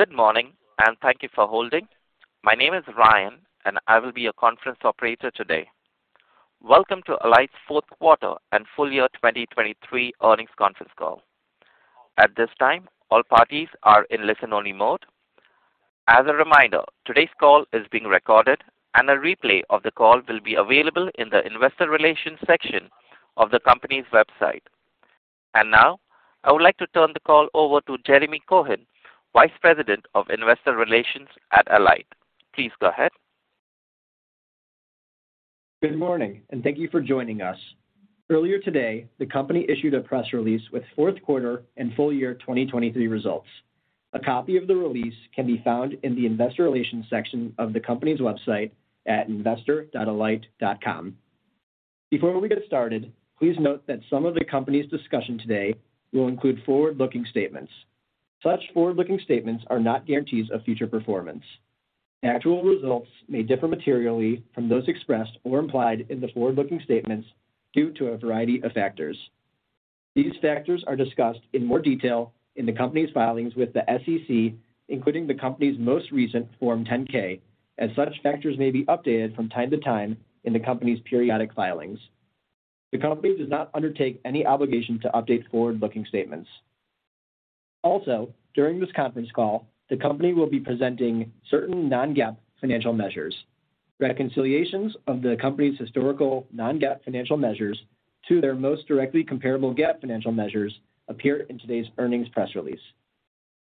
Good morning, and thank you for holding. My name is Ryan, and I will be your conference operator today. Welcome to Alight's fourth quarter and full year 2023 earnings conference call. At this time, all parties are in listen-only mode. As a reminder, today's call is being recorded, and a replay of the call will be available in the investor relations section of the company's website. And now, I would like to turn the call over to Jeremy Cohen, Vice President of Investor Relations at Alight. Please go ahead. Good morning, and thank you for joining us. Earlier today, the company issued a press release with fourth quarter and full year 2023 results. A copy of the release can be found in the investor relations section of the company's website at investor.alight.com.. Before we get started, please note that some of the company's discussion today will include forward-looking statements. Such forward-looking statements are not guarantees of future performance. Actual results may differ materially from those expressed or implied in the forward-looking statements due to a variety of factors. These factors are discussed in more detail in the company's filings with the SEC, including the company's most recent Form 10-K, and such factors may be updated from time to time in the company's periodic filings. The company does not undertake any obligation to update forward-looking statements. Also, during this conference call, the company will be presenting certain non-GAAP financial measures. Reconciliations of the company's historical non-GAAP financial measures to their most directly comparable GAAP financial measures appear in today's earnings press release.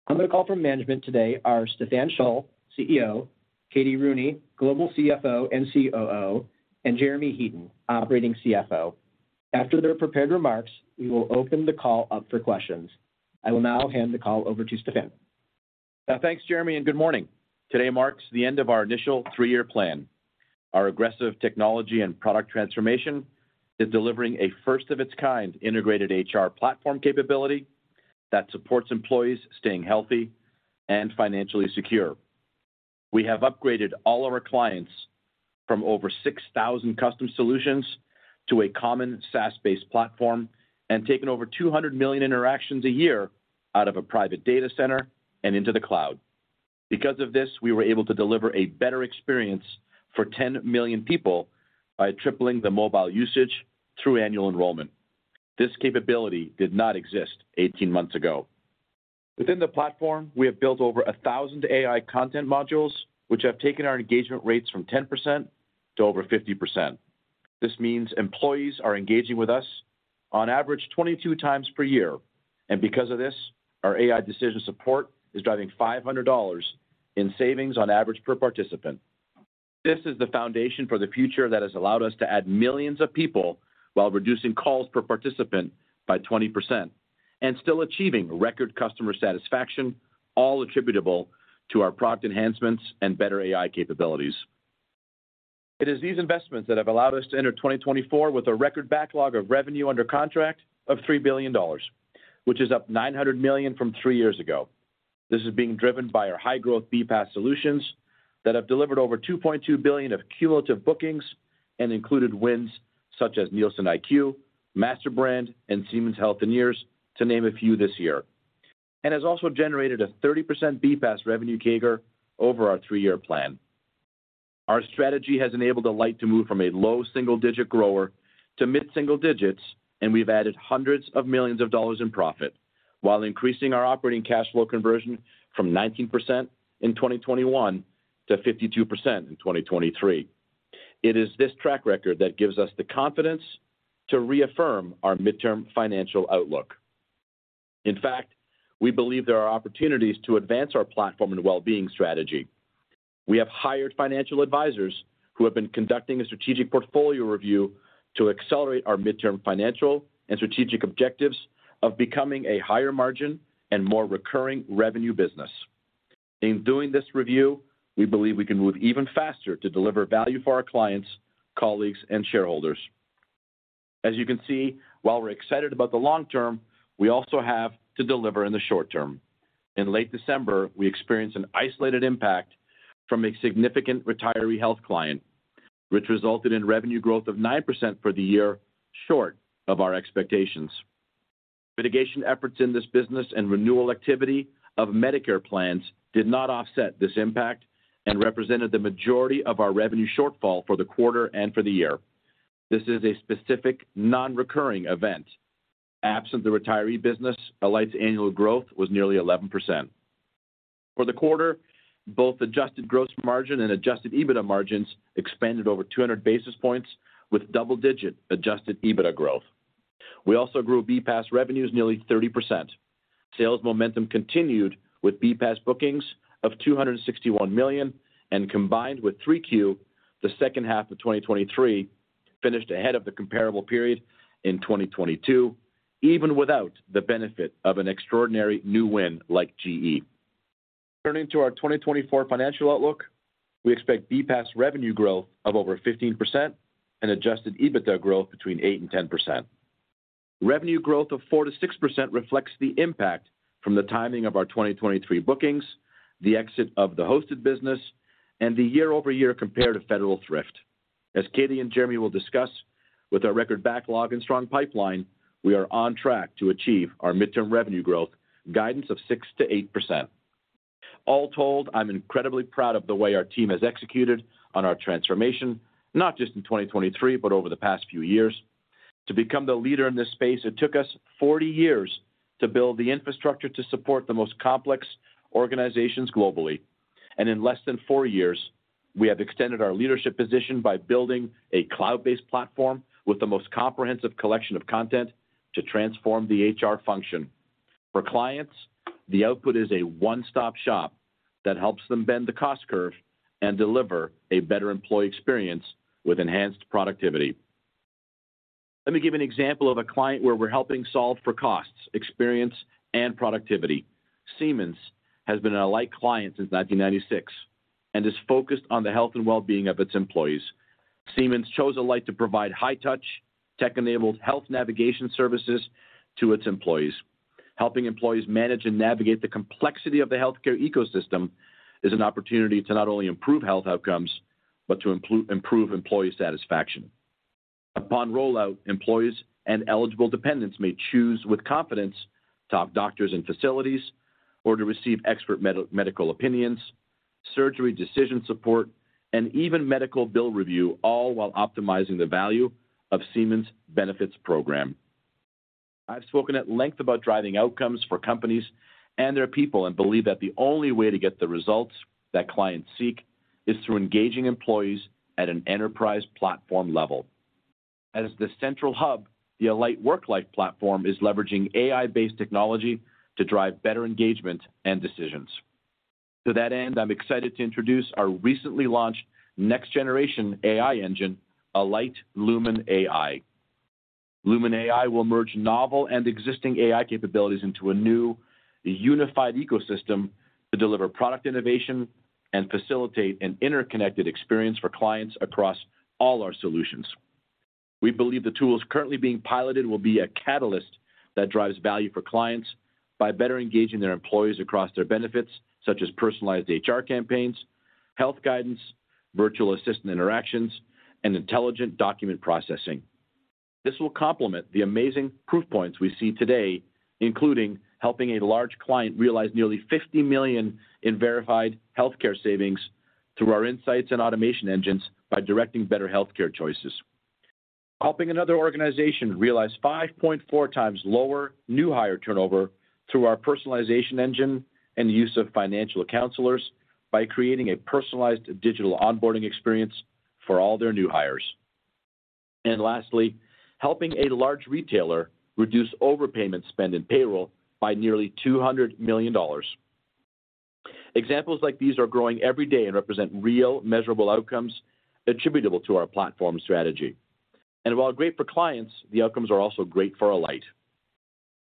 On the call from management today are Stephan Scholl, CEO, Katie Rooney, Global CFO and COO, and Jeremy Heaton, Operating CFO. After their prepared remarks, we will open the call up for questions. I will now hand the call over to Stephan. Thanks, Jeremy, and good morning. Today marks the end of our initial three-year plan. Our aggressive technology and product transformation is delivering a first-of-its-kind integrated HR platform capability that supports employees staying healthy and financially secure. We have upgraded all of our clients from over 6,000 custom solutions to a common SaaS-based platform and taken over 200 million interactions a year out of a private data center and into the cloud. Because of this, we were able to deliver a better experience for 10 million people by tripling the mobile usage through annual enrollment. This capability did not exist 18 months ago. Within the platform, we have built over 1,000 AI content modules, which have taken our engagement rates from 10% to over 50%. This means employees are engaging with us on average 22x per year, and because of this, our AI decision support is driving $500 in savings on average per participant. This is the foundation for the future that has allowed us to add millions of people while reducing calls per participant by 20% and still achieving record customer satisfaction, all attributable to our product enhancements and better AI capabilities. It is these investments that have allowed us to enter 2024 with a record backlog of revenue under contract of $3 billion, which is up $900 million from three years ago. This is being driven by our high-growth BPaaS solutions that have delivered over $2.2 billion of cumulative bookings and included wins such as NielsenIQ, MasterBrand, and Siemens Healthineers, to name a few this year, and has also generated a 30% BPaaS revenue CAGR over our three-year plan. Our strategy has enabled Alight to move from a low single-digit grower to mid-single digits, and we've added hundreds of millions of dollars in profit while increasing our operating cash flow conversion from 19% in 2021 to 52% in 2023. It is this track record that gives us the confidence to reaffirm our midterm financial outlook. In fact, we believe there are opportunities to advance our platform and wellbeing strategy. We have hired financial advisors who have been conducting a strategic portfolio review to accelerate our midterm financial and strategic objectives of becoming a higher margin and more recurring revenue business. In doing this review, we believe we can move even faster to deliver value for our clients, colleagues, and shareholders. As you can see, while we're excited about the long term, we also have to deliver in the short term. In late December, we experienced an isolated impact from a significant retiree health client, which resulted in revenue growth of 9% for the year, short of our expectations. Mitigation efforts in this business and renewal activity of Medicare plans did not offset this impact and represented the majority of our revenue shortfall for the quarter and for the year. This is a specific non-recurring event. Absent the retiree business, Alight's annual growth was nearly 11%. For the quarter, both adjusted gross margin and adjusted EBITDA margins expanded over 200 basis points with double-digit adjusted EBITDA growth. We also grew BPaaS revenues nearly 30%. Sales momentum continued with BPaaS bookings of $261 million, and combined with 3Q, the second half of 2023 finished ahead of the comparable period in 2022, even without the benefit of an extraordinary new win like GE. Turning to our 2024 financial outlook, we expect BPaaS revenue growth of over 15% and adjusted EBITDA growth between 8% and 10%. Revenue growth of 4%-6% reflects the impact from the timing of our 2023 bookings, the exit of the hosted business, and the year-over-year compared to Federal Thrift.... As Katie and Jeremy will discuss, with our record backlog and strong pipeline, we are on track to achieve our midterm revenue growth guidance of 6%-8%. All told, I'm incredibly proud of the way our team has executed on our transformation, not just in 2023, but over the past few years. To become the leader in this space, it took us 40 years to build the infrastructure to support the most complex organizations globally, and in less than four years, we have extended our leadership position by building a cloud-based platform with the most comprehensive collection of content to transform the HR function. For clients, the output is a one-stop shop that helps them bend the cost curve and deliver a better employee experience with enhanced productivity. Let me give an example of a client where we're helping solve for costs, experience, and productivity. Siemens has been an Alight client since 1996 and is focused on the health and well-being of its employees. Siemens chose Alight to provide high touch, tech-enabled health navigation services to its employees. Helping employees manage and navigate the complexity of the healthcare ecosystem is an opportunity to not only improve health outcomes, but to improve employee satisfaction. Upon rollout, employees and eligible dependents may choose with confidence, top doctors and facilities, or to receive expert medical opinions, surgery, decision support, and even medical bill review, all while optimizing the value of Siemens benefits program. I've spoken at length about driving outcomes for companies and their people, and believe that the only way to get the results that clients seek is through engaging employees at an enterprise platform level. As the central hub, the Alight Worklife platform is leveraging AI-based technology to drive better engagement and decisions. To that end, I'm excited to introduce our recently launched next-generation AI engine, Alight LumenAI. LumenAI will merge novel and existing AI capabilities into a new, unified ecosystem to deliver product innovation and facilitate an interconnected experience for clients across all our solutions. We believe the tools currently being piloted will be a catalyst that drives value for clients by better engaging their employees across their benefits, such as personalized HR campaigns, health guidance, virtual assistant interactions, and intelligent document processing. This will complement the amazing proof points we see today, including helping a large client realize nearly $50 million in verified healthcare savings through our insights and automation engines by directing better healthcare choices. Helping another organization realize 5.4x lower new hire turnover through our personalization engine and the use of financial counselors by creating a personalized digital onboarding experience for all their new hires. And lastly, helping a large retailer reduce overpayment spend in payroll by nearly $200 million. Examples like these are growing every day and represent real, measurable outcomes attributable to our platform strategy. And while great for clients, the outcomes are also great for Alight.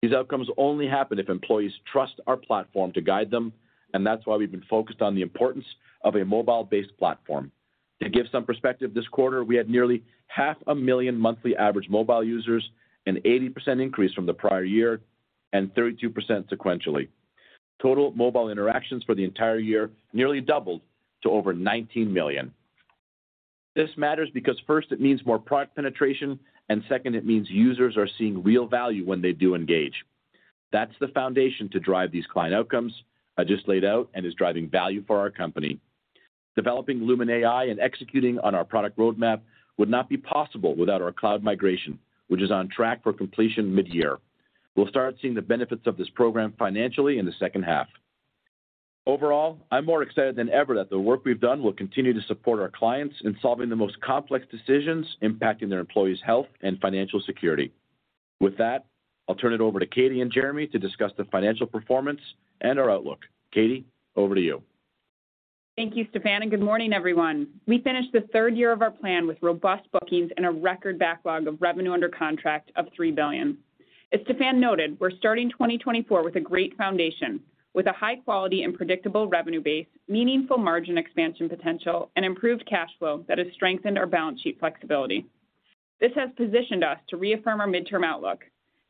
These outcomes only happen if employees trust our platform to guide them, and that's why we've been focused on the importance of a mobile-based platform. To give some perspective, this quarter, we had nearly 500,000 monthly average mobile users, an 80% increase from the prior year, and 32% sequentially. Total mobile interactions for the entire year nearly doubled to over 19 million. This matters because first, it means more product penetration, and second, it means users are seeing real value when they do engage. That's the foundation to drive these client outcomes I just laid out and is driving value for our company. Developing LumenAI and executing on our product roadmap would not be possible without our cloud migration, which is on track for completion mid-year. We'll start seeing the benefits of this program financially in the second half. Overall, I'm more excited than ever that the work we've done will continue to support our clients in solving the most complex decisions impacting their employees' health and financial security. With that, I'll turn it over to Katie and Jeremy to discuss the financial performance and our outlook. Katie, over to you. Thank you, Stephan, and good morning, everyone. We finished the third year of our plan with robust bookings and a record backlog of revenue under contract of $3 billion. As Stephan noted, we're starting 2024 with a great foundation, with a high quality and predictable revenue base, meaningful margin expansion potential, and improved cash flow that has strengthened our balance sheet flexibility. This has positioned us to reaffirm our midterm outlook.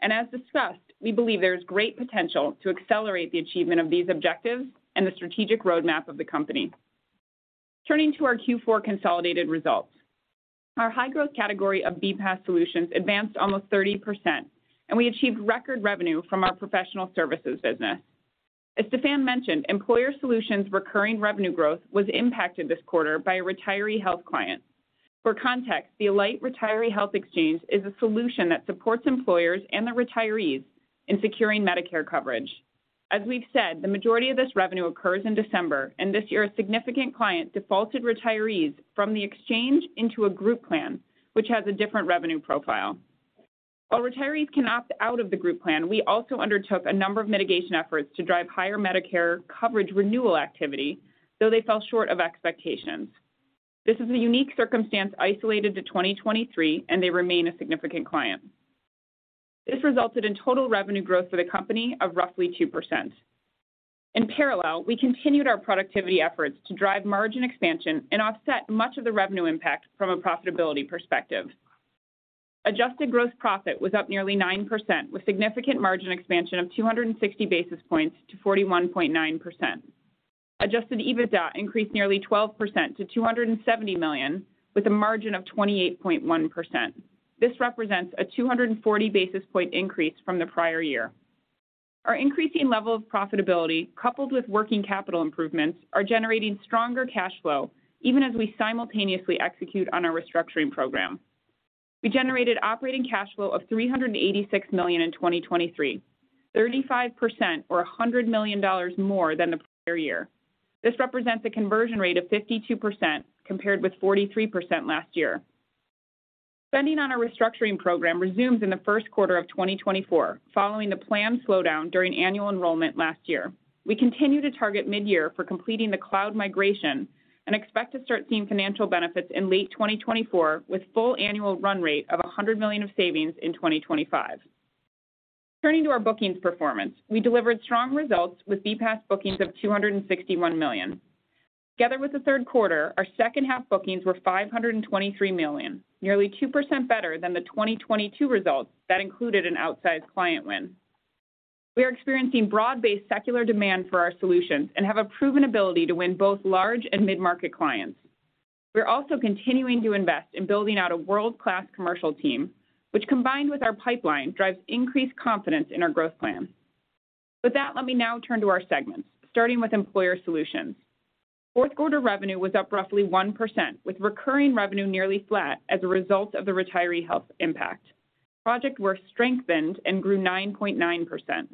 As discussed, we believe there is great potential to accelerate the achievement of these objectives and the strategic roadmap of the company. Turning to our Q4 consolidated results. Our high-growth category of BPaaS solutions advanced almost 30%, and we achieved record revenue from our professional services business. As Stephan mentioned, employer solutions recurring revenue growth was impacted this quarter by a retiree health client. For context, the Alight Retiree Health Exchange is a solution that supports employers and their retirees in securing Medicare coverage. As we've said, the majority of this revenue occurs in December, and this year, a significant client defaulted retirees from the exchange into a group plan, which has a different revenue profile. While retirees can opt out of the group plan, we also undertook a number of mitigation efforts to drive higher Medicare coverage renewal activity, though they fell short of expectations. This is a unique circumstance isolated to 2023, and they remain a significant client. This resulted in total revenue growth for the company of roughly 2%. In parallel, we continued our productivity efforts to drive margin expansion and offset much of the revenue impact from a profitability perspective. Adjusted gross profit was up nearly 9%, with significant margin expansion of 260 basis points to 41.9%. Adjusted EBITDA increased nearly 12% to $270 million, with a margin of 28.1%. This represents a 240 basis point increase from the prior year. Our increasing level of profitability, coupled with working capital improvements, are generating stronger cash flow, even as we simultaneously execute on our restructuring program. We generated operating cash flow of $386 million in 2023, 35% or $100 million more than the prior year. This represents a conversion rate of 52%, compared with 43% last year. Spending on our restructuring program resumes in the first quarter of 2024, following the planned slowdown during annual enrollment last year. We continue to target mid-year for completing the cloud migration and expect to start seeing financial benefits in late 2024, with full annual run rate of $100 million of savings in 2025. Turning to our bookings performance, we delivered strong results with BPaaS bookings of $261 million. Together with the third quarter, our second half bookings were $523 million, nearly 2% better than the 2022 results that included an outsized client win. We are experiencing broad-based secular demand for our solutions and have a proven ability to win both large and mid-market clients. We're also continuing to invest in building out a world-class commercial team, which, combined with our pipeline, drives increased confidence in our growth plan. With that, let me now turn to our segments, starting with employer solutions. Fourth quarter revenue was up roughly 1%, with recurring revenue nearly flat as a result of the retiree health impact. Project work strengthened and grew 9.9%.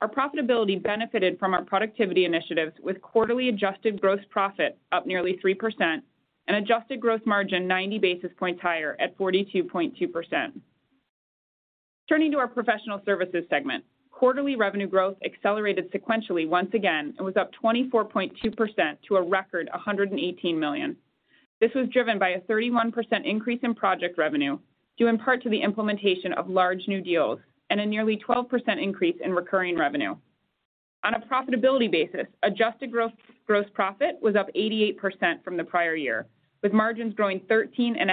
Our profitability benefited from our productivity initiatives, with quarterly adjusted gross profit up nearly 3% and adjusted gross margin 90 basis points higher at 42.2%. Turning to our professional services segment, quarterly revenue growth accelerated sequentially once again and was up 24.2% to a record $118 million. This was driven by a 31% increase in project revenue, due in part to the implementation of large new deals and a nearly 12% increase in recurring revenue. On a profitability basis, adjusted gross profit was up 88% from the prior year, with margins growing 13.5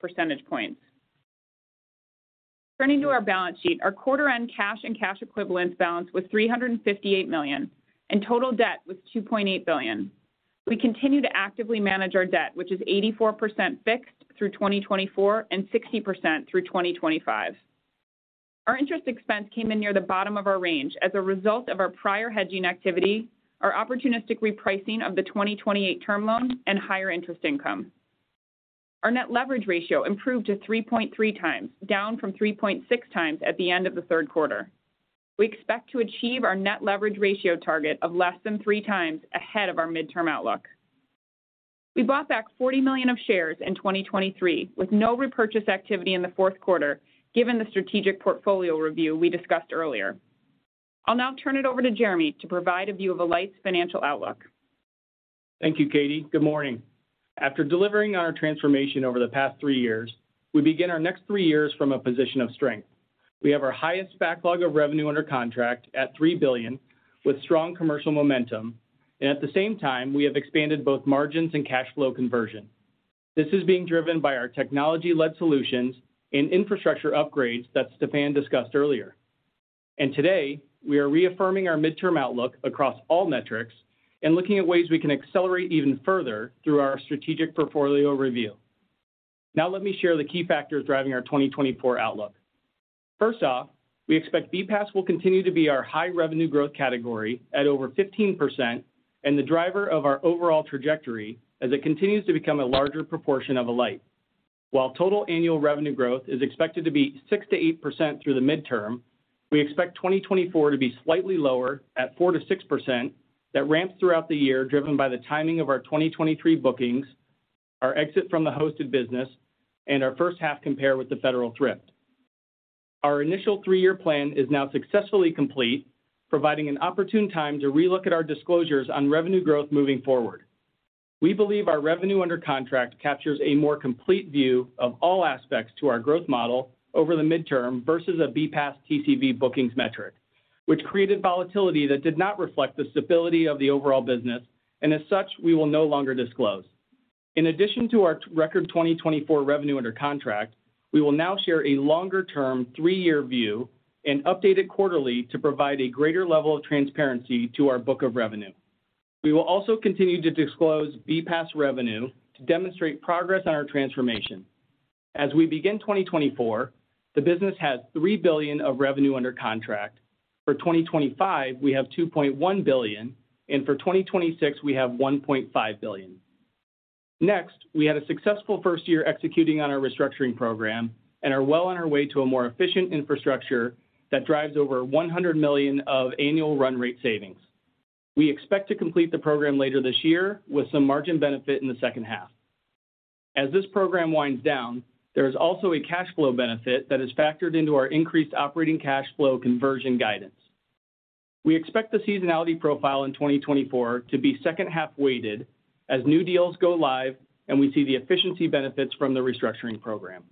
percentage points. Turning to our balance sheet, our quarter-end cash and cash equivalents balance was $358 million, and total debt was $2.8 billion. We continue to actively manage our debt, which is 84% fixed through 2024 and 60% through 2025. Our interest expense came in near the bottom of our range as a result of our prior hedging activity, our opportunistic repricing of the 2028 term loan, and higher interest income. Our net leverage ratio improved to 3.3x, down from 3.6x at the end of the third quarter. We expect to achieve our net leverage ratio target of less than 3x ahead of our midterm outlook. We bought back 40 million of shares in 2023, with no repurchase activity in the fourth quarter, given the strategic portfolio review we discussed earlier. I'll now turn it over to Jeremy to provide a view of Alight's financial outlook. Thank you, Katie. Good morning. After delivering on our transformation over the past three years, we begin our next three years from a position of strength. We have our highest backlog of revenue under contract at $3 billion, with strong commercial momentum, and at the same time, we have expanded both margins and cash flow conversion. This is being driven by our technology-led solutions and infrastructure upgrades that Stephan discussed earlier. And today, we are reaffirming our midterm outlook across all metrics and looking at ways we can accelerate even further through our strategic portfolio review. Now let me share the key factors driving our 2024 outlook. First off, we expect BPaaS will continue to be our high revenue growth category at over 15% and the driver of our overall trajectory as it continues to become a larger proportion of Alight. While total annual revenue growth is expected to be 6%-8% through the midterm, we expect 2024 to be slightly lower at 4%-6%. That ramps throughout the year, driven by the timing of our 2023 bookings, our exit from the hosted business, and our first half compare with the federal thrift. Our initial three-year plan is now successfully complete, providing an opportune time to relook at our disclosures on revenue growth moving forward. We believe our revenue under contract captures a more complete view of all aspects to our growth model over the midterm versus a BPaaS TCV bookings metric, which created volatility that did not reflect the stability of the overall business, and as such, we will no longer disclose. In addition to our record 2024 Revenue Under Contract, we will now share a longer-term three-year view and update it quarterly to provide a greater level of transparency to our book of revenue. We will also continue to disclose BPaaS revenue to demonstrate progress on our transformation. As we begin 2024, the business has $3 billion of revenue under contract. For 2025, we have $2.1 billion, and for 2026, we have $1.5 billion. Next, we had a successful first year executing on our restructuring program and are well on our way to a more efficient infrastructure that drives over $100 million of annual run rate savings. We expect to complete the program later this year, with some margin benefit in the second half. As this program winds down, there is also a cash flow benefit that is factored into our increased operating cash flow conversion guidance. We expect the seasonality profile in 2024 to be second-half weighted as new deals go live and we see the efficiency benefits from the restructuring program.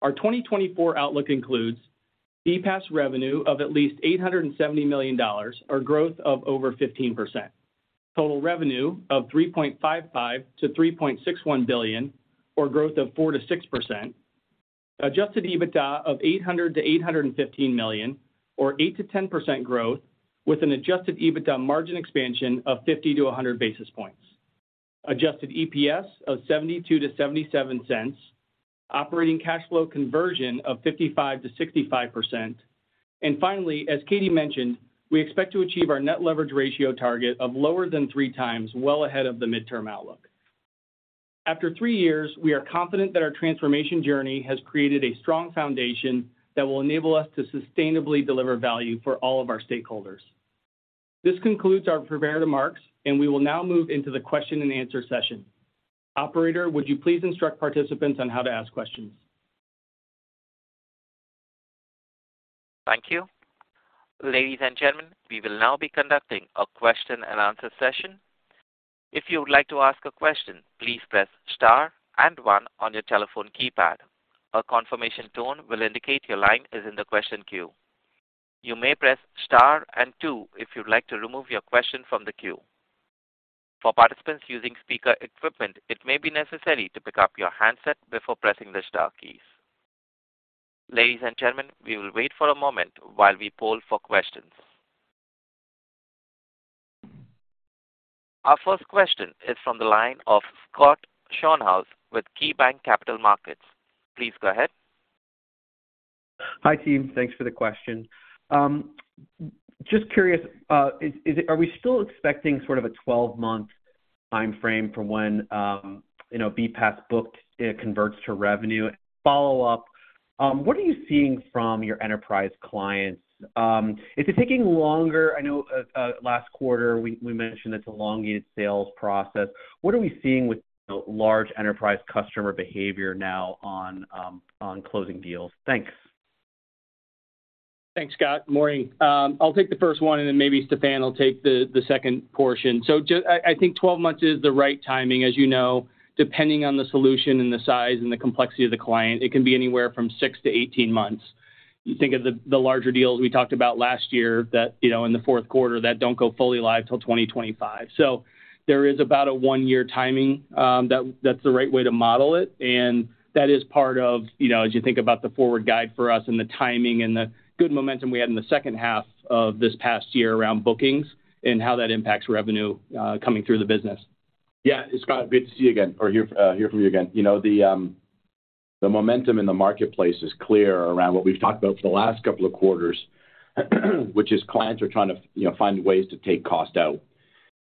Our 2024 outlook includes BPaaS revenue of at least $870 million, or growth of over 15%.... total revenue of $3.55 billion-$3.61 billion, or growth of 4%-6%. Adjusted EBITDA of $800 million-$815 million, or 8%-10% growth, with an adjusted EBITDA margin expansion of 50-100 basis points. Adjusted EPS of $0.72-$0.77. Operating cash flow conversion of 55%-65%. Finally, as Katie mentioned, we expect to achieve our Net Leverage Ratio target of lower than 3x well ahead of the midterm outlook. After three years, we are confident that our transformation journey has created a strong foundation that will enable us to sustainably deliver value for all of our stakeholders. This concludes our prepared remarks, and we will now move into the question and answer session. Operator, would you please instruct participants on how to ask questions? Thank you. Ladies and gentlemen, we will now be conducting a question and answer session. If you would like to ask a question, please press star and one on your telephone keypad. A confirmation tone will indicate your line is in the question queue. You may press star and two if you'd like to remove your question from the queue. For participants using speaker equipment, it may be necessary to pick up your handset before pressing the star keys. Ladies and gentlemen, we will wait for a moment while we poll for questions. Our first question is from the line of Scott Schoenhaus with KeyBanc Capital Markets. Please go ahead. Hi, team. Thanks for the question. Just curious, is it-- are we still expecting sort of a 12-month time frame for when, you know, BPaaS booked, it converts to revenue? Follow-up, what are you seeing from your enterprise clients? Is it taking longer? I know, last quarter we mentioned it's a elongated sales process. What are we seeing with, you know, large enterprise customer behavior now on, on closing deals? Thanks. Thanks, Scott. Morning. I'll take the first one, and then maybe Stephan will take the second portion. So just—I think 12 months is the right timing. As you know, depending on the solution and the size and the complexity of the client, it can be anywhere from six to 18 months. You think of the larger deals we talked about last year, that, you know, in the fourth quarter, that don't go fully live till 2025. So there is about a one-year timing, that's the right way to model it, and that is part of, you know, as you think about the forward guide for us and the timing and the good momentum we had in the second half of this past year around bookings and how that impacts revenue coming through the business. Yeah, it's Scott. Good to see you again or hear, hear from you again. You know, the momentum in the marketplace is clear around what we've talked about for the last couple of quarters, which is clients are trying to, you know, find ways to take cost out.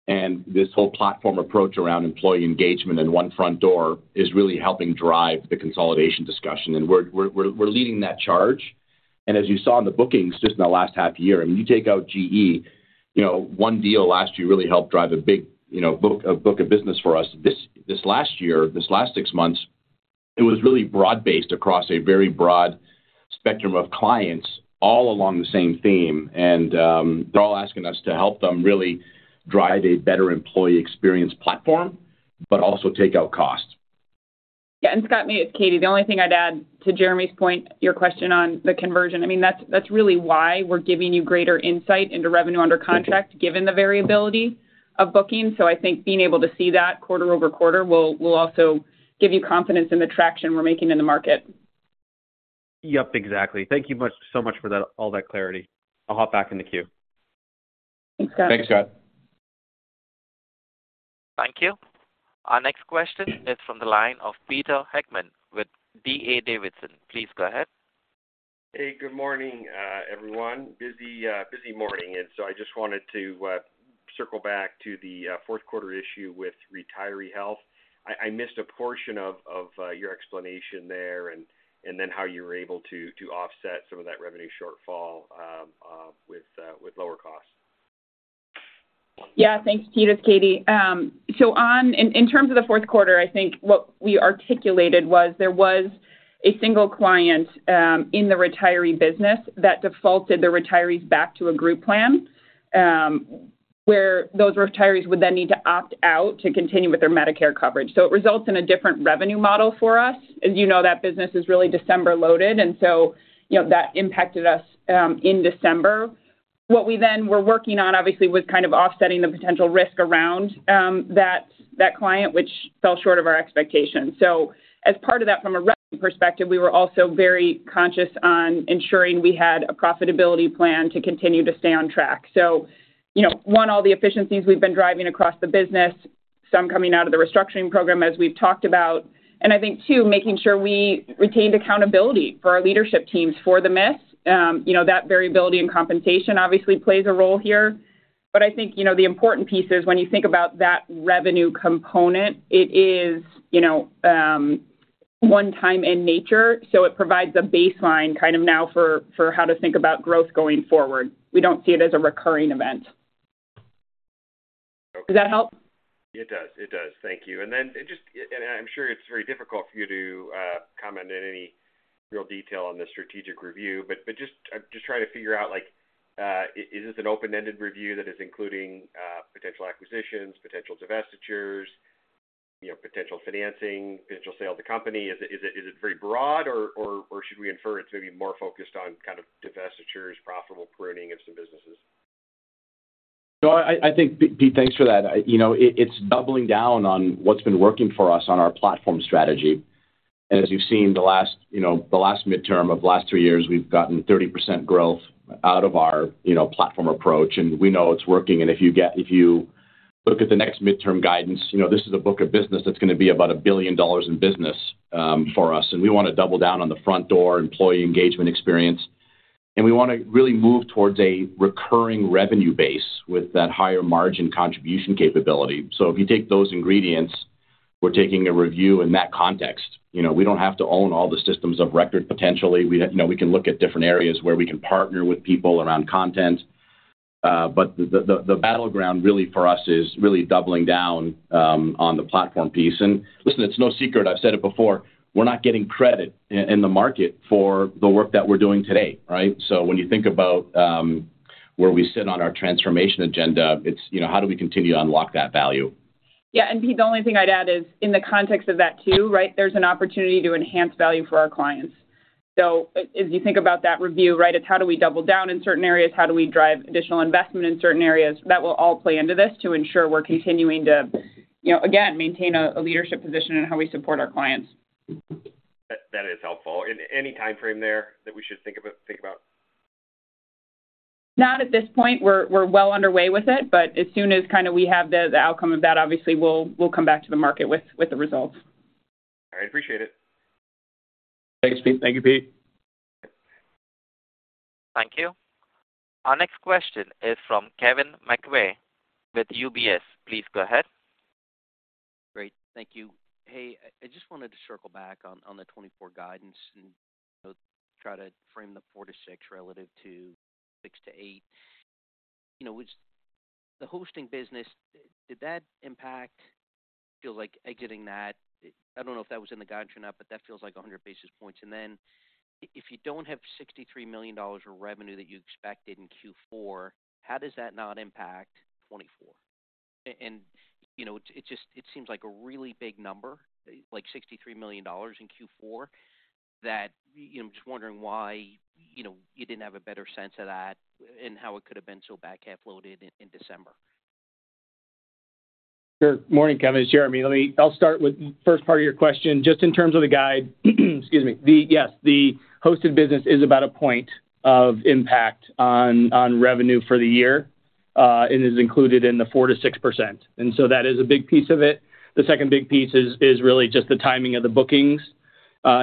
And this whole platform approach around employee engagement and one front door is really helping drive the consolidation discussion, and we're leading that charge. And as you saw in the bookings just in the last half year, and when you take out GE, you know, one deal last year really helped drive a big, you know, book of business for us. This last six months, it was really broad-based across a very broad spectrum of clients, all along the same theme. They're all asking us to help them really drive a better employee experience platform, but also take out costs. Yeah, and Scott, it's me, it's Katie. The only thing I'd add to Jeremy's point, your question on the conversion, I mean, that's, that's really why we're giving you greater insight into revenue under contract, given the variability of bookings. So I think being able to see that quarter-over-quarter will, will also give you confidence in the traction we're making in the market. Yep, exactly. Thank you so much for that... all that clarity. I'll hop back in the queue. Thanks, Scott. Thanks, Scott. Thank you. Our next question is from the line of Peter Heckman with D.A. Davidson. Please go ahead. Hey, good morning, everyone. Busy, busy morning, and so I just wanted to circle back to the fourth quarter issue with retiree health. I missed a portion of your explanation there and then how you were able to offset some of that revenue shortfall with lower costs. Yeah, thanks, Peter. It's Katie. In terms of the fourth quarter, I think what we articulated was there was a single client in the retiree business that defaulted the retirees back to a group plan, where those retirees would then need to opt out to continue with their Medicare coverage. So it results in a different revenue model for us. As you know, that business is really December-loaded, and so, you know, that impacted us in December. What we then were working on, obviously, was kind of offsetting the potential risk around that client, which fell short of our expectations. So as part of that, from a revenue perspective, we were also very conscious on ensuring we had a profitability plan to continue to stay on track. So, you know, one, all the efficiencies we've been driving across the business, some coming out of the restructuring program, as we've talked about. And I think, two, making sure we retained accountability for our leadership teams for the miss. You know, that variability in compensation obviously plays a role here. But I think, you know, the important piece is when you think about that revenue component, it is, you know, one time in nature, so it provides a baseline, kind of now, for how to think about growth going forward. We don't see it as a recurring event. Okay. Does that help? It does. It does. Thank you. And then just, and I'm sure it's very difficult for you to comment in any real detail on the strategic review, but just trying to figure out, like, is this an open-ended review that is including potential acquisitions, potential divestitures? You know, potential financing, potential sale of the company. Is it very broad or should we infer it's maybe more focused on kind of divestitures, profitable pruning of some businesses? No, I, I think, Peter, thanks for that. You know, it, it's doubling down on what's been working for us on our platform strategy. And as you've seen the last, you know, the last midterm of last three years, we've gotten 30% growth out of our, you know, platform approach, and we know it's working. And if you look at the next midterm guidance, you know, this is a book of business that's gonna be about $1 billion in business for us, and we wanna double down on the front door employee engagement experience. And we wanna really move towards a recurring revenue base with that higher margin contribution capability. So if you take those ingredients, we're taking a review in that context. You know, we don't have to own all the systems of record potentially. We, you know, we can look at different areas where we can partner with people around content. But the battleground really for us is really doubling down on the platform piece. And listen, it's no secret, I've said it before, we're not getting credit in the market for the work that we're doing today, right? So when you think about where we sit on our transformation agenda, it's, you know, how do we continue to unlock that value? Yeah, and Peter, the only thing I'd add is, in the context of that too, right, there's an opportunity to enhance value for our clients. So as you think about that review, right, it's how do we double down in certain areas? How do we drive additional investment in certain areas? That will all play into this to ensure we're continuing to, you know, again, maintain a leadership position in how we support our clients. That is helpful. Any timeframe there that we should think about? Not at this point. We're well underway with it, but as soon as kind of we have the outcome of that, obviously, we'll come back to the market with the results. I appreciate it. Thanks, Peter. Thank you, Peter. Thank you. Our next question is from Kevin McVeigh with UBS. Please go ahead. Great. Thank you. Hey, I just wanted to circle back on the 2024 guidance and, you know, try to frame the four-six relative to six-eight. You know, was the hosting business, did that impact feel like exiting that? I don't know if that was in the guide or not, but that feels like 100 basis points. And then if you don't have $63 million of revenue that you expected in Q4, how does that not impact 2024? And, you know, it just—it seems like a really big number, like $63 million in Q4, that... I'm just wondering why, you know, you didn't have a better sense of that and how it could have been so back-half loaded in December. Sure. Morning, Kevin, it's Jeremy. Let me. I'll start with the first part of your question, just in terms of the guide. Excuse me. The, yes, the hosted business is about a point of impact on, on revenue for the year, and is included in the 4%-6%. And so that is a big piece of it. The second big piece is, is really just the timing of the bookings,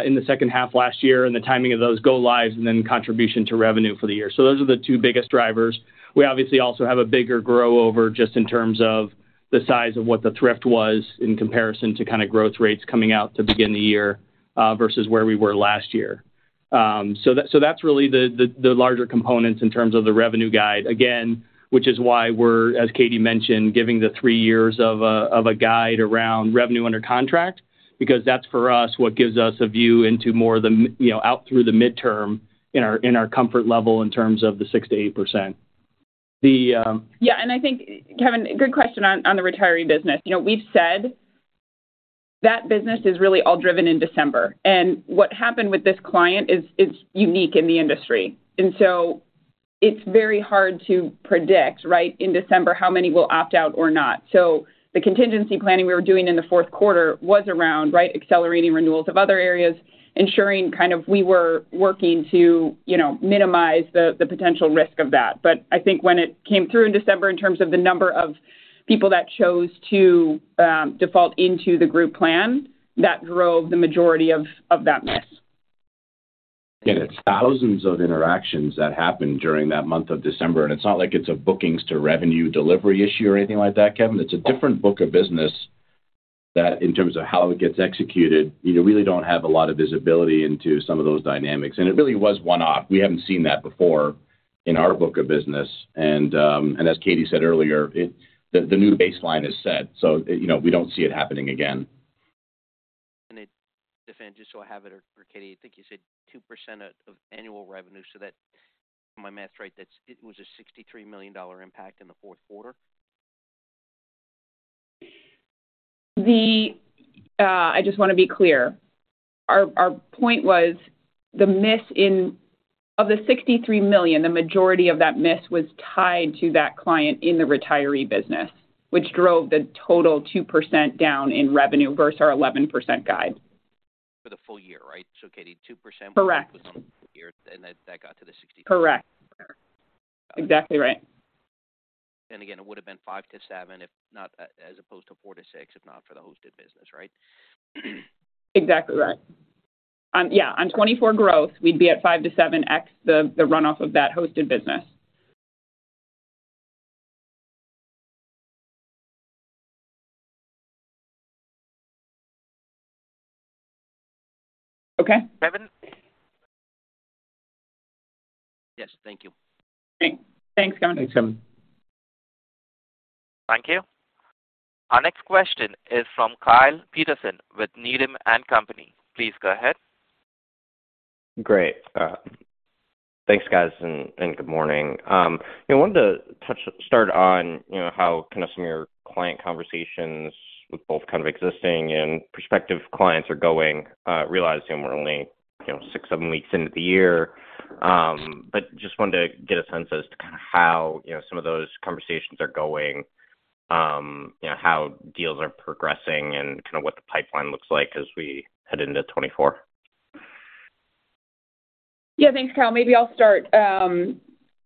in the second half last year and the timing of those go lives and then contribution to revenue for the year. So those are the two biggest drivers. We obviously also have a bigger grow over, just in terms of the size of what the thrift was in comparison to kind of growth rates coming out to begin the year, versus where we were last year. So that's really the larger components in terms of the revenue guide, again, which is why we're, as Katie mentioned, giving the three years of a guide around revenue under contract, because that's, for us, what gives us a view into more of the, you know, out through the midterm in our comfort level in terms of the 6%-8%. Yeah, and I think, Kevin, good question on the retiree business. You know, we've said that business is really all driven in December, and what happened with this client is, it's unique in the industry. And so it's very hard to predict, right, in December, how many will opt out or not. So the contingency planning we were doing in the fourth quarter was around, right, accelerating renewals of other areas, ensuring kind of we were working to, you know, minimize the potential risk of that. But I think when it came through in December, in terms of the number of people that chose to default into the group plan, that drove the majority of that miss. It's thousands of interactions that happened during that month of December, and it's not like it's a bookings to revenue delivery issue or anything like that, Kevin. It's a different book of business that in terms of how it gets executed, you know, we really don't have a lot of visibility into some of those dynamics. And it really was one-off. We haven't seen that before in our book of business, and as Katie said earlier, the new baseline is set, so, you know, we don't see it happening again. Then, just so I have it, Katie, I think you said 2% of annual revenue, so that, if my math is right, that's... It was a $63 million impact in the fourth quarter? I just wanna be clear. Our point was the miss in... Of the $63 million, the majority of that miss was tied to that client in the retiree business, which drove the total 2% down in revenue versus our 11% guide. For the full year, right? So, Katie, 2%- Correct. Was on the year, and that got to the 63. Correct. Exactly right. And again, it would've been five-seven, if not, as opposed to four-six, if not for the hosted business, right? Exactly right. Yeah, on 2024 growth, we'd be at 5-7x, the runoff of that hosted business. Okay? Kevin? Yes, thank you. Great. Thanks, Kevin. Thanks, Kevin. Thank you. Our next question is from Kyle Peterson with Needham and Company. Please go ahead.... Great. Thanks, guys, and good morning. I wanted to start on, you know, how kind of some of your client conversations with both kind of existing and prospective clients are going, realizing we're only, you know, six, seven weeks into the year. But just wanted to get a sense as to kind of how, you know, some of those conversations are going, you know, how deals are progressing and kind of what the pipeline looks like as we head into 2024? Yeah. Thanks, Kyle. Maybe I'll start.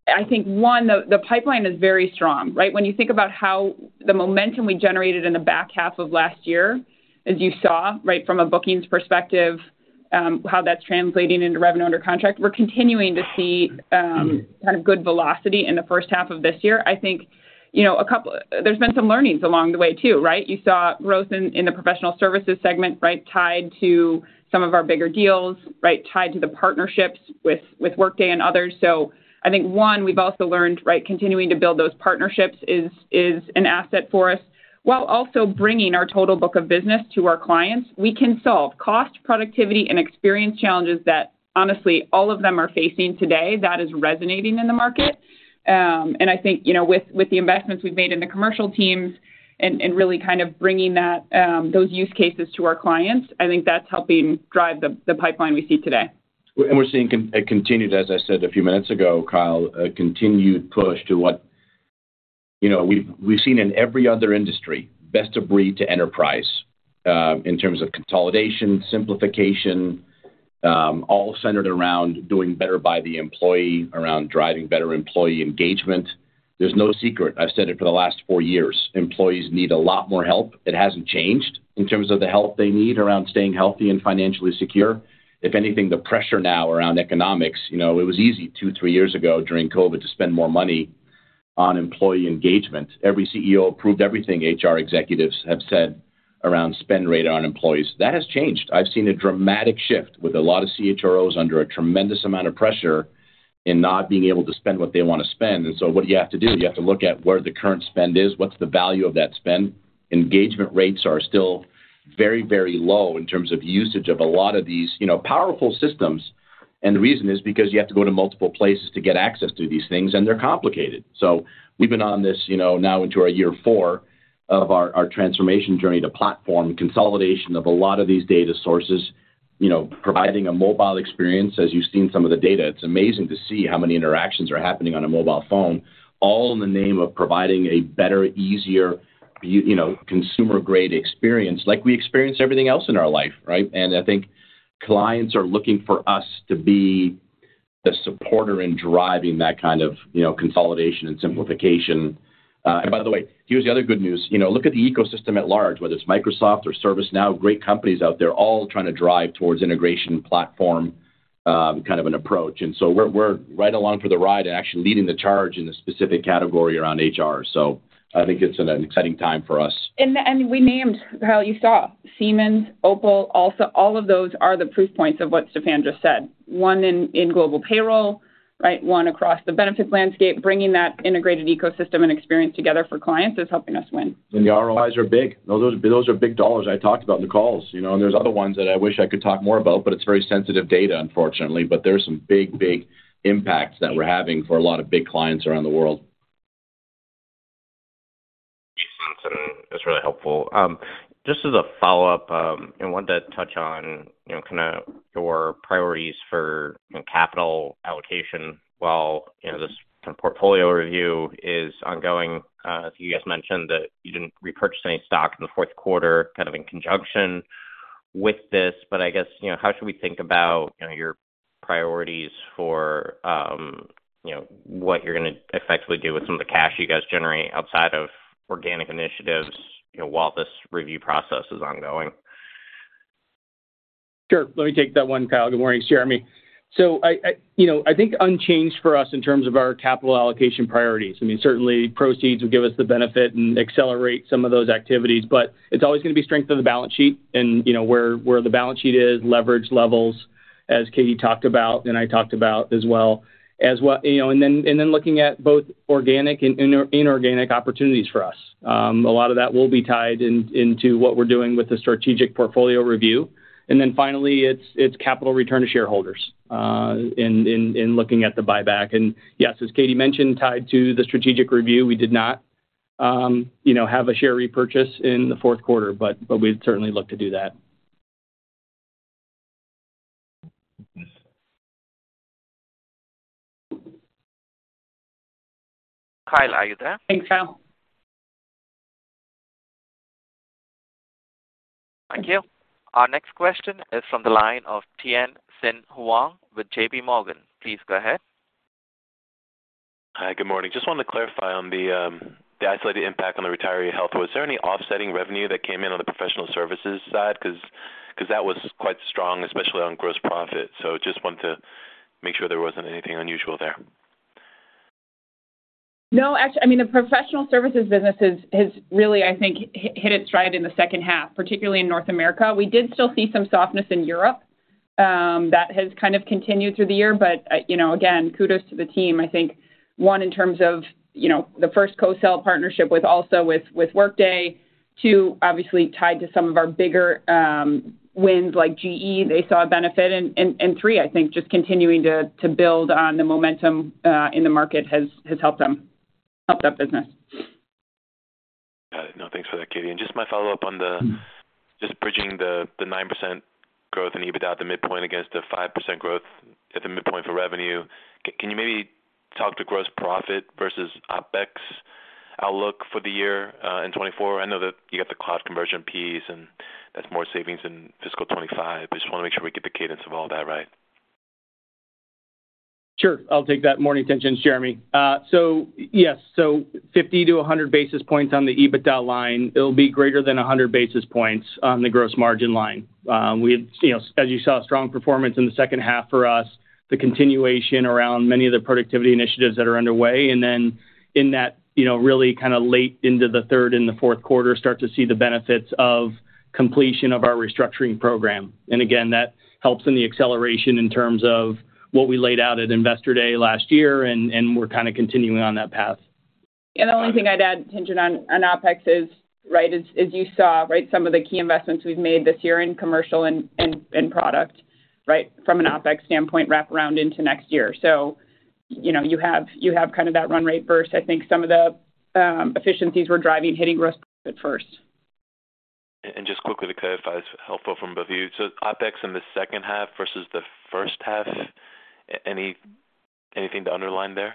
I think, one, the, the pipeline is very strong, right? When you think about how the momentum we generated in the back half of last year, as you saw, right, from a bookings perspective, how that's translating into revenue under contract, we're continuing to see, kind of good velocity in the first half of this year. I think, you know, a couple, there's been some learnings along the way, too, right? You saw growth in, in the professional services segment, right, tied to some of our bigger deals, right? Tied to the partnerships with, with Workday and others. So I think, one, we've also learned, right, continuing to build those partnerships is, is an asset for us, while also bringing our total book of business to our clients. We can solve cost, productivity, and experience challenges that, honestly, all of them are facing today. That is resonating in the market. I think, you know, with the investments we've made in the commercial teams and really kind of bringing that, those use cases to our clients, I think that's helping drive the pipeline we see today. And we're seeing a continued, as I said a few minutes ago, Kyle, a continued push to what, you know, we've seen in every other industry, best-of-breed to enterprise, in terms of consolidation, simplification, all centered around doing better by the employee, around driving better employee engagement. There's no secret, I've said it for the last four years, employees need a lot more help. It hasn't changed in terms of the help they need around staying healthy and financially secure. If anything, the pressure now around economics, you know, it was easy two, three years ago during COVID to spend more money on employee engagement. Every CEO approved everything HR executives have said around spend rate on employees. That has changed. I've seen a dramatic shift, with a lot of CHROs under a tremendous amount of pressure in not being able to spend what they want to spend. What do you have to do? You have to look at where the current spend is. What's the value of that spend? Engagement rates are still very, very low in terms of usage of a lot of these, you know, powerful systems, and the reason is because you have to go to multiple places to get access to these things, and they're complicated. We've been on this, you know, now into our year four of our transformation journey to platform consolidation of a lot of these data sources, you know, providing a mobile experience. As you've seen some of the data, it's amazing to see how many interactions are happening on a mobile phone, all in the name of providing a better, easier, you know, consumer-grade experience like we experience everything else in our life, right? And I think clients are looking for us to be the supporter in driving that kind of, you know, consolidation and simplification. And by the way, here's the other good news. You know, look at the ecosystem at large, whether it's Microsoft or ServiceNow, great companies out there, all trying to drive towards integration platform kind of an approach. And so we're right along for the ride and actually leading the charge in the specific category around HR. So I think it's an exciting time for us. And we named, Kyle, you saw Siemens, Opel. Also, all of those are the proof points of what Stephan just said. One in global payroll, right? One across the benefits landscape. Bringing that integrated ecosystem and experience together for clients is helping us win. The ROIs are big. Those are big dollars I talked about in the calls, you know, and there's other ones that I wish I could talk more about, but it's very sensitive data, unfortunately. There are some big, big impacts that we're having for a lot of big clients around the world. ... It's really helpful. Just as a follow-up, I wanted to touch on, you know, kind of your priorities for, you know, capital allocation, while, you know, this kind of portfolio review is ongoing. You guys mentioned that you didn't repurchase any stock in the fourth quarter, kind of in conjunction with this. But I guess, you know, how should we think about, you know, your priorities for, you know, what you're going to effectively do with some of the cash you guys generate outside of organic initiatives, you know, while this review process is ongoing? Sure. Let me take that one, Kyle. Good morning, it's Jeremy. So, you know, I think unchanged for us in terms of our capital allocation priorities. I mean, certainly proceeds will give us the benefit and accelerate some of those activities, but it's always going to be strength of the balance sheet and, you know, where the balance sheet is, leverage levels, as Katie talked about and I talked about as well. And what, you know, and then looking at both organic and inorganic opportunities for us. A lot of that will be tied in, into what we're doing with the strategic portfolio review. And then finally, it's capital return to shareholders, in looking at the buyback. And yes, as Katie mentioned, tied to the strategic review, we did not, you know, have a share repurchase in the fourth quarter, but we'd certainly look to do that. Kyle, are you there? Thanks, Kyle. Thank you. Our next question is from the line of Tien-Tsin Huang with JPMorgan. Please go ahead. Hi, good morning. Just wanted to clarify on the, the isolated impact on the retiree health. Was there any offsetting revenue that came in on the professional services side? Because, because that was quite strong, especially on gross profit. So just wanted to make sure there wasn't anything unusual there. No, actually, I mean, the professional services business has really, I think, hit its stride in the second half, particularly in North America. We did still see some softness in Europe that has kind of continued through the year. But you know, again, kudos to the team. I think one, in terms of, you know, the first co-sell partnership with Workday. Two, obviously tied to some of our bigger wins like GE, they saw a benefit. And three, I think just continuing to build on the momentum in the market has helped them, helped that business. Got it. No, thanks for that, Katie. And just my follow-up on just bridging the 9% growth in EBITDA at the midpoint against the 5% growth at the midpoint for revenue, can you maybe talk to gross profit versus OpEx outlook for the year in 2024? I know that you got the cloud conversion piece, and that's more savings in fiscal 2025. I just wanna make sure we get the cadence of all that right. Sure. I'll take that. Morning, thanks, it's Jeremy. So yes, so 50-100 basis points on the EBITDA line, it'll be greater than 100 basis points on the gross margin line. We had, you know, as you saw, strong performance in the second half for us, the continuation around many of the productivity initiatives that are underway, and then in that, you know, really kind of late into the third and the fourth quarter, start to see the benefits of completion of our restructuring program. And again, that helps in the acceleration in terms of what we laid out at Investor Day last year, and, and we're kind of continuing on that path. And the only thing I'd add, attention on OpEx is, right, as you saw, right, some of the key investments we've made this year in commercial and product, right? From an OpEx standpoint, wrap around into next year. So you know, you have kind of that run rate burst. I think some of the efficiencies we're driving, hitting gross profit first. Just quickly to clarify, it's helpful from both of you. OpEx in the second half versus the first half, anything to underline there?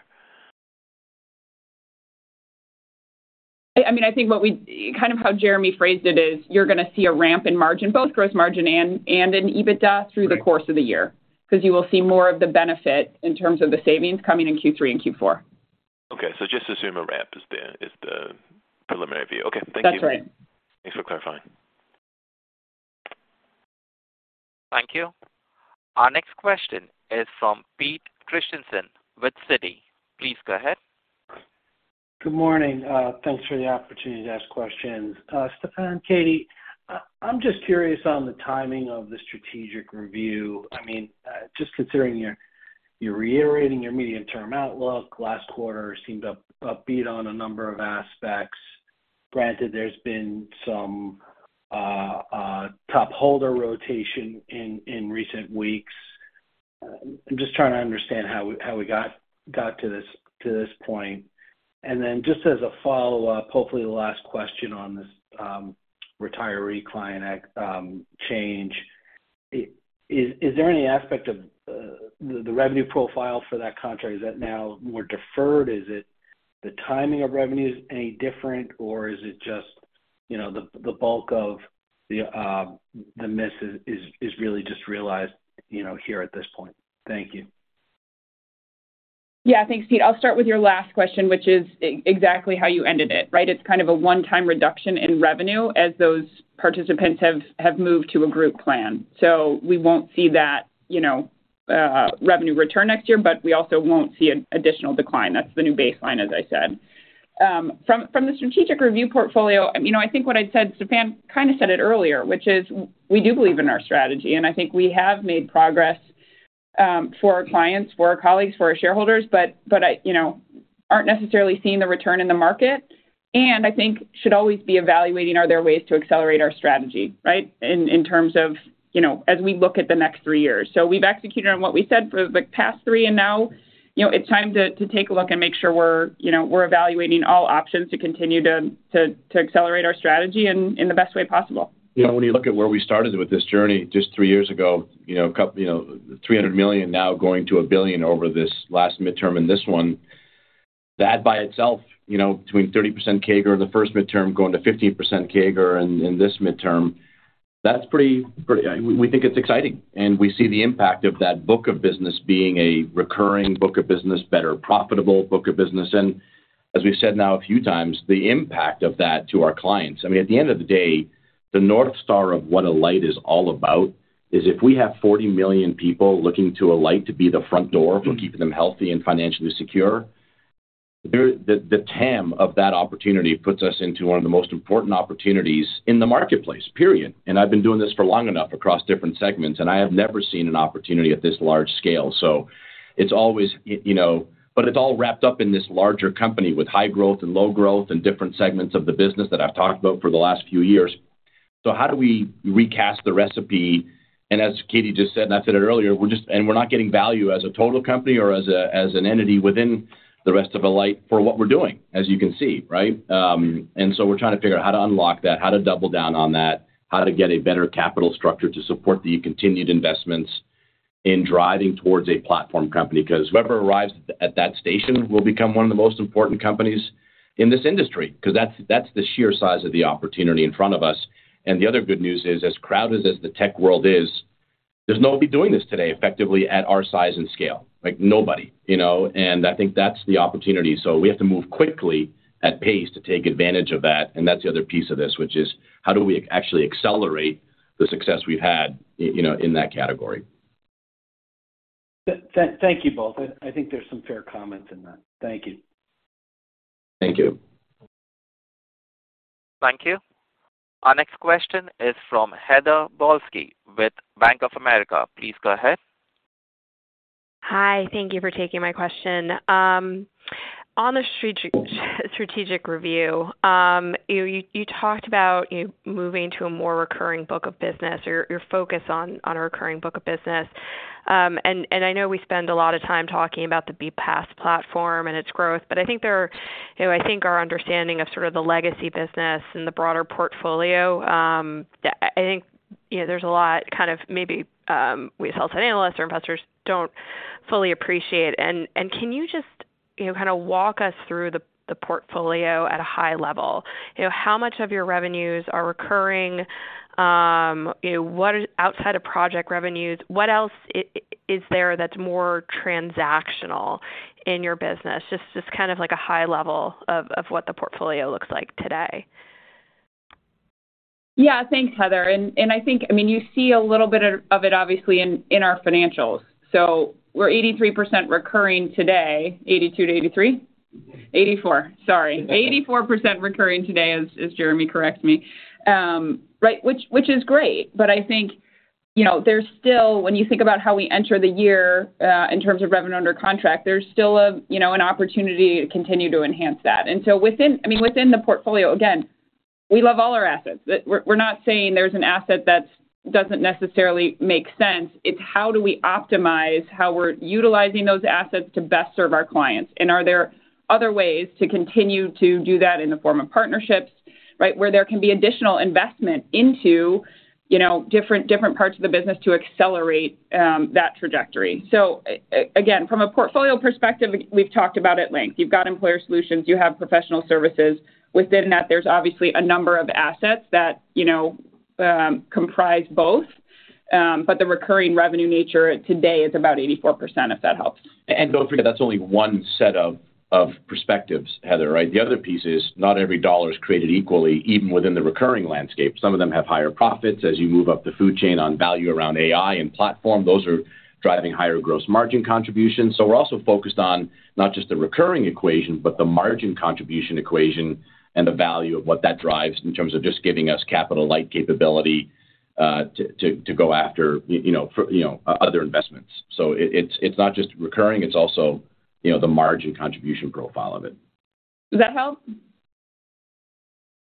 I mean, I think what we... Kind of how Jeremy phrased it, is you're gonna see a ramp in margin, both gross margin and, and in EBITDA through the course of the year. 'Cause you will see more of the benefit in terms of the savings coming in Q3 and Q4. Okay. So just assume a ramp is the preliminary view. Okay, thank you. That's right. Thanks for clarifying. Thank you. Our next question is from Pete Christiansen with Citi. Please go ahead. Good morning. Thanks for the opportunity to ask questions. Stephan, Katie, I'm just curious on the timing of the strategic review. I mean, just considering you're reiterating your medium-term outlook, last quarter seemed upbeat on a number of aspects. Granted, there's been some top holder rotation in recent weeks. I'm just trying to understand how we got to this point. And then just as a follow-up, hopefully the last question on this retiree client change. Is there any aspect of the revenue profile for that contract? Is that now more deferred? Is it the timing of revenues any different, or is it just, you know, the bulk of the miss is really just realized here at this point? Thank you. Yeah. Thanks, Pete. I'll start with your last question, which is exactly how you ended it, right? It's kind of a one-time reduction in revenue as those participants have moved to a group plan. So we won't see that, you know, revenue return next year, but we also won't see an additional decline. That's the new baseline, as I said. From the strategic review portfolio, you know, I think what I said, Stephan kind of said it earlier, which is we do believe in our strategy, and I think we have made progress, for our clients, for our colleagues, for our shareholders, but I, you know, aren't necessarily seeing the return in the market. And I think should always be evaluating, are there ways to accelerate our strategy, right? In terms of, you know, as we look at the next three years. So we've executed on what we said for the past three, and now, you know, it's time to take a look and make sure we're, you know, we're evaluating all options to continue to accelerate our strategy in the best way possible. You know, when you look at where we started with this journey, just three years ago, you know, a couple you know, $300 million now going to $1 billion over this last midterm and this one. That by itself, you know, between 30% CAGR in the first midterm, going to 15% CAGR in this midterm, that's pretty, pretty, we think it's exciting, and we see the impact of that book of business being a recurring book of business, better profitable book of business. And as we've said now a few times, the impact of that to our clients, I mean, at the end of the day, the North Star of what Alight is all about, is if we have 40 million people looking to Alight to be the front door for keeping them healthy and financially secure, the TAM of that opportunity puts us into one of the most important opportunities in the marketplace, period. And I've been doing this for long enough across different segments, and I have never seen an opportunity at this large scale. So it's always, you know. But it's all wrapped up in this larger company with high growth and low growth, and different segments of the business that I've talked about for the last few years. So how do we recast the recipe? And as Katie just said, and I said it earlier, and we're not getting value as a total company or as an entity within the rest of Alight for what we're doing, as you can see, right? And so we're trying to figure out how to unlock that, how to double down on that, how to get a better capital structure to support the continued investments in driving towards a platform company. 'Cause whoever arrives at that station will become one of the most important companies in this industry, 'cause that's the sheer size of the opportunity in front of us. And the other good news is, as crowded as the tech world is, there's nobody doing this today, effectively at our size and scale, like nobody, you know, and I think that's the opportunity. So we have to move quickly, at pace, to take advantage of that, and that's the other piece of this, which is: How do we actually accelerate the success we've had, you know, in that category? Thank you both. I think there's some fair comments in that. Thank you. Thank you. Thank you. Our next question is from Heather Balsky with Bank of America. Please go ahead. ... Hi, thank you for taking my question. On the strategic review, you talked about you moving to a more recurring book of business or your focus on a recurring book of business. And I know we spend a lot of time talking about the BPaaS platform and its growth, but I think, you know, I think our understanding of sort of the legacy business and the broader portfolio, that I think, you know, there's a lot kind of maybe we as health analysts or investors don't fully appreciate. And can you just, you know, kinda walk us through the portfolio at a high level? You know, how much of your revenues are recurring? You know, what is outside of project revenues, what else is there that's more transactional in your business? Just kind of like a high level of what the portfolio looks like today. Yeah, thanks, Heather. And I think, I mean, you see a little bit of it obviously in our financials. So we're 83% recurring today. 82%-83%? 84%, sorry. 84% recurring today, as Jeremy corrects me. Right, which is great, but I think, you know, there's still... When you think about how we enter the year, in terms of revenue under contract, there's still a, you know, an opportunity to continue to enhance that. And so within—I mean, within the portfolio, again, we love all our assets. We're not saying there's an asset that doesn't necessarily make sense, it's how do we optimize, how we're utilizing those assets to best serve our clients? And are there other ways to continue to do that in the form of partnerships, right? Where there can be additional investment into, you know, different parts of the business to accelerate that trajectory. So, again, from a portfolio perspective, we've talked about at length, you've got employer solutions, you have professional services. Within that, there's obviously a number of assets that, you know, comprise both, but the recurring revenue nature today is about 84%, if that helps. And don't forget, that's only one set of perspectives, Heather, right? The other piece is, not every dollar is created equally, even within the recurring landscape. Some of them have higher profits. As you move up the food chain on value around AI and platform, those are driving higher gross margin contributions. So we're also focused on not just the recurring equation, but the margin contribution equation and the value of what that drives in terms of just giving us capital-like capability, to go after, you know, other investments. So it's not just recurring, it's also, you know, the margin contribution profile of it. Does that help?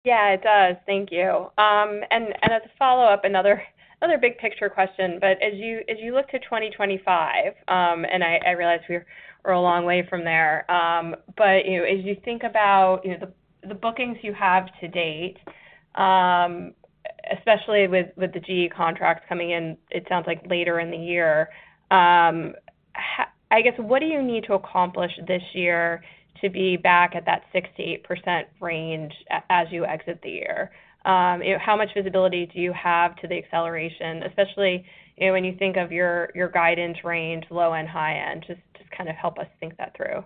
Yeah, it does. Thank you. And as a follow-up, another big picture question, but as you look to 2025, and I realize we're a long way from there, but you know, as you think about the bookings you have to date, especially with the GE contracts coming in, it sounds like later in the year, I guess, what do you need to accomplish this year to be back at that 6%-8% range as you exit the year? You know, how much visibility do you have to the acceleration, especially, you know, when you think of your guidance range, low and high end? Just kind of help us think that through.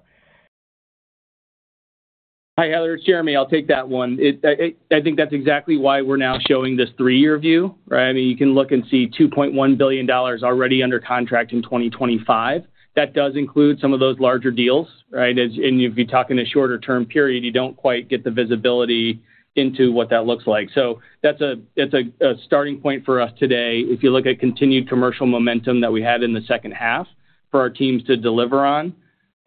Hi, Heather, it's Jeremy. I'll take that one. I think that's exactly why we're now showing this three-year view, right? I mean, you can look and see $2.1 billion already under contract in 2025. That does include some of those larger deals, right? And if you're talking a shorter term period, you don't quite get the visibility into what that looks like. So that's a starting point for us today. If you look at continued commercial momentum that we had in the second half for our teams to deliver on,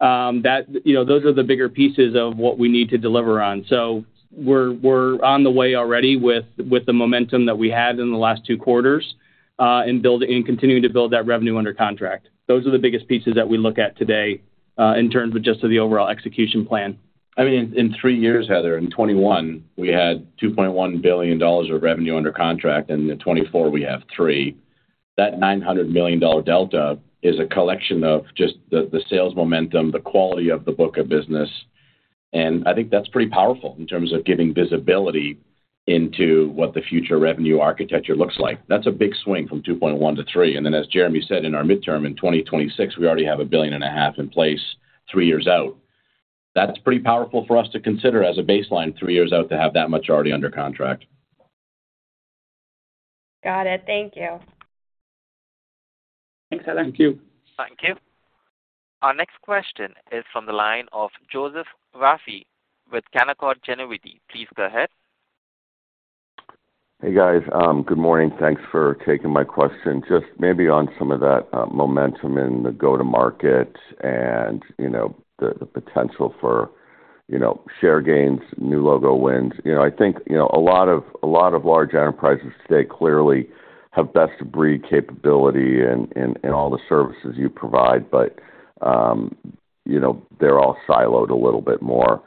you know, those are the bigger pieces of what we need to deliver on. So we're on the way already with the momentum that we had in the last two quarters, and continuing to build that revenue under contract. Those are the biggest pieces that we look at today, in terms of just of the overall execution plan. I mean, in three years, Heather, in 2021, we had $2.1 billion of revenue under contract, and in 2024 we have $3 billion. That $900 million dollar delta is a collection of just the sales momentum, the quality of the book of business, and I think that's pretty powerful in terms of giving visibility into what the future revenue architecture looks like. That's a big swing from $2.1 billion to $3 billion. And then, as Jeremy said, in our midterm in 2026, we already have $1.5 billion in place three years out. That's pretty powerful for us to consider as a baseline, three years out, to have that much already under contract. Got it. Thank you. Thanks, Heather. Thank you. Thank you. Our next question is from the line of Joseph Vafi with Canaccord Genuity. Please go ahead. Hey, guys. Good morning. Thanks for taking my question. Just maybe on some of that momentum in the go-to-market and, you know, the potential for, you know, share gains, new logo wins. You know, I think, you know, a lot of, a lot of large enterprises today clearly have best-of-breed capability in all the services you provide, but, you know, they're all siloed a little bit more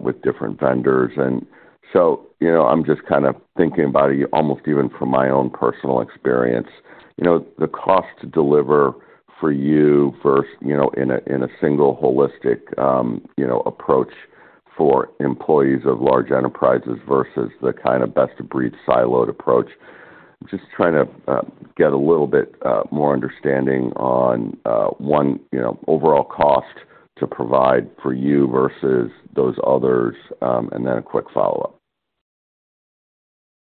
with different vendors. And so, you know, I'm just kind of thinking about it, almost even from my own personal experience, you know, the cost to deliver for you versus, you know, in a single holistic, you know, approach for employees of large enterprises versus the kind of best-of-breed siloed approach. Just trying to get a little bit more understanding on one, you know, overall cost to provide for you versus those others. And then a quick follow-up.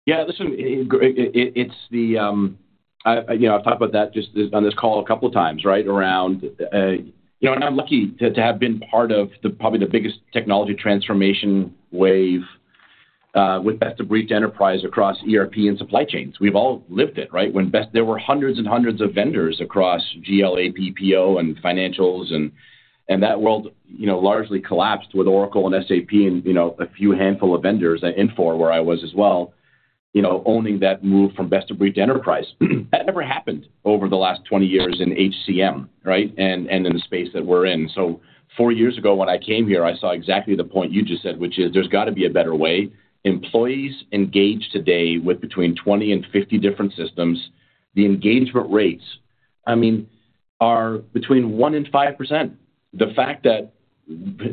Yeah, listen, it's the, you know, I've talked about that on this call a couple times, right? Around... You know, and I'm lucky to have been part of probably the biggest technology transformation wave with best-of-breed enterprise across ERP and supply chains. We've all lived it, right? When there were hundreds and hundreds of vendors across GL, AP, PO, and financials, and that world, you know, largely collapsed with Oracle and SAP and, you know, a few handful of vendors at Infor, where I was as well, you know, owning that move from best-of-breed enterprise. That never happened over the last 20 years in HCM, right? And in the space that we're in. So four years ago, when I came here, I saw exactly the point you just said, which is, there's got to be a better way. Employees engage today with between 20 and 50 different systems. The engagement rates, I mean, are between 1% and 5%. The fact that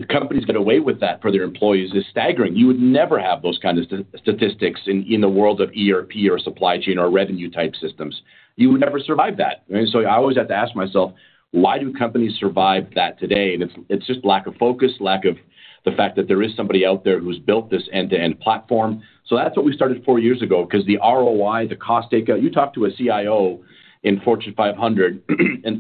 companies get away with that for their employees is staggering. You would never have those kind of statistics in the world of ERP or supply chain or revenue-type systems. You would never survive that, right? So I always have to ask myself: Why do companies survive that today? And it's just lack of focus, lack of the fact that there is somebody out there who's built this end-to-end platform. So that's what we started 4 years ago, because the ROI, the cost takeout... You talk to a CIO in Fortune 500,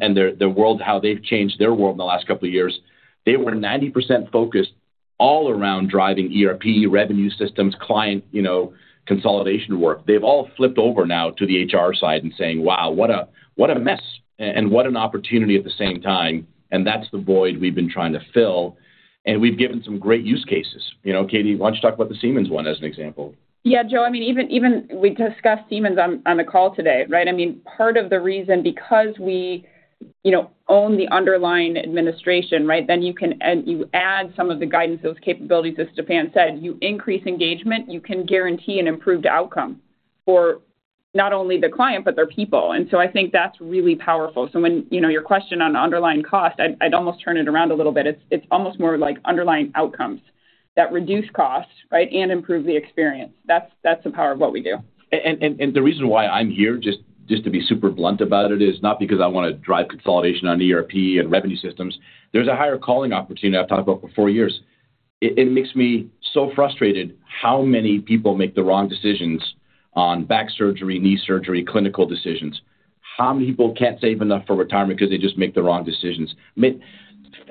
and their world, how they've changed their world in the last couple of years, they were 90% focused all around driving ERP, revenue systems, client, you know, consolidation work. They've all flipped over now to the HR side and saying, "Wow, what a mess, and what an opportunity at the same time." And that's the void we've been trying to fill, and we've given some great use cases. You know, Katie, why don't you talk about the Siemens one as an example? Yeah, Joe, I mean, even we discussed Siemens on the call today, right? I mean, part of the reason, because we, you know, own the underlying administration, right? Then you can... And you add some of the guidance, those capabilities, as Stephan said, you increase engagement, you can guarantee an improved outcome for not only the client, but their people. And so I think that's really powerful. So when, you know, your question on underlying cost, I'd almost turn it around a little bit. It's almost more like underlying outcomes that reduce costs, right, and improve the experience. That's the power of what we do. The reason why I'm here, just to be super blunt about it, is not because I wanna drive consolidation on ERP and revenue systems. There's a higher calling opportunity I've talked about for four years. It makes me so frustrated how many people make the wrong decisions on back surgery, knee surgery, clinical decisions. How many people can't save enough for retirement because they just make the wrong decisions? I mean,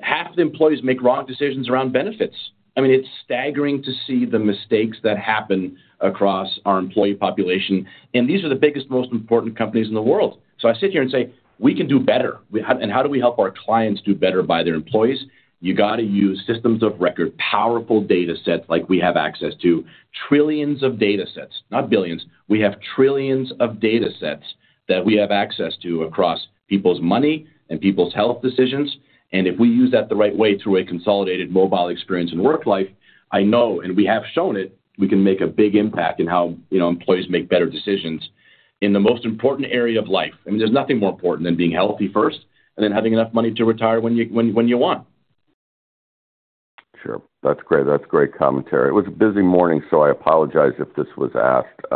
half the employees make wrong decisions around benefits. I mean, it's staggering to see the mistakes that happen across our employee population, and these are the biggest, most important companies in the world. So I sit here and say: We can do better. We have—and how do we help our clients do better by their employees? You got to use systems of record, powerful data sets, like we have access to trillions of data sets, not billions. We have trillions of data sets that we have access to across people's money and people's health decisions, and if we use that the right way, through a consolidated mobile experience and WorkLife, I know, and we have shown it, we can make a big impact in how, you know, employees make better decisions in the most important area of life. I mean, there's nothing more important than being healthy first and then having enough money to retire when you want. Sure. That's great. That's great commentary. It was a busy morning, so I apologize if this was asked.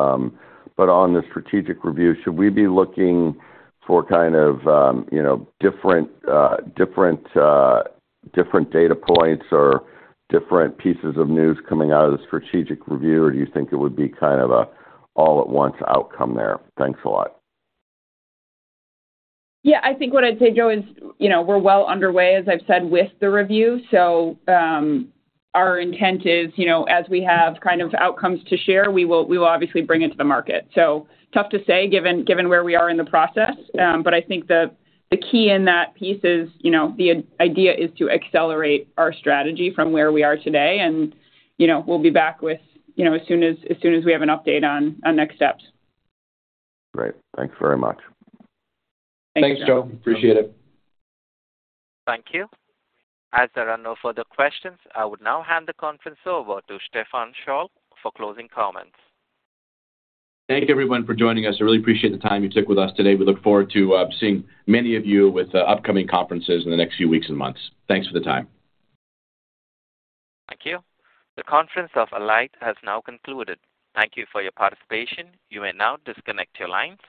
But on the strategic review, should we be looking for kind of, you know, different data points or different pieces of news coming out of the strategic review, or do you think it would be kind of a all-at-once outcome there? Thanks a lot. Yeah, I think what I'd say, Joe, is, you know, we're well underway, as I've said, with the review. So, our intent is, you know, as we have kind of outcomes to share, we will obviously bring it to the market. So tough to say, given where we are in the process, but I think the key in that piece is, you know, the idea is to accelerate our strategy from where we are today. And, you know, we'll be back with, you know, as soon as we have an update on next steps. Great. Thanks very much. Thanks, Joe. Thanks, Joe. Appreciate it. Thank you. As there are no further questions, I would now hand the conference over to Stephan Scholl for closing comments. Thank you, everyone, for joining us. I really appreciate the time you took with us today. We look forward to seeing many of you with upcoming conferences in the next few weeks and months. Thanks for the time. Thank you. The conference of Alight has now concluded. Thank you for your participation. You may now disconnect your lines.